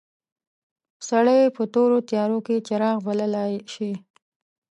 سړی یې په تورو تیارو کې څراغ بللای شي.